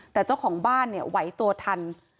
แต่เจ้าของบ้านเนี่ยไหวตัวทัน